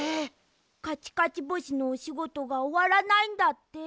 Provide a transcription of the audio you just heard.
かちかち星のおしごとがおわらないんだって。